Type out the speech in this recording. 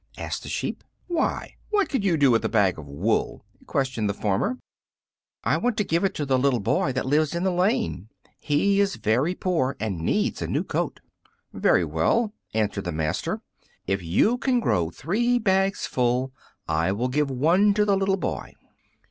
asked the sheep. "Why, what could you do with a bag of wool?" questioned the farmer. "I want to give it to the little boy that lives in the lane. He is very poor and needs a new coat." "Very well," answered the master; "if you can grow three bags full I will give one to the little boy."